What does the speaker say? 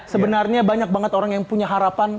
sebenarnya banyak banget orang yang punya harapan